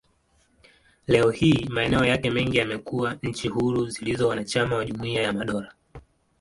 Leo hii, maeneo yake mengi yamekuwa nchi huru zilizo wanachama wa Jumuiya ya Madola.